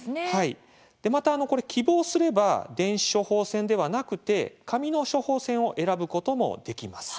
また、希望すれば電子処方箋ではなくて紙の処方箋を選ぶこともできます。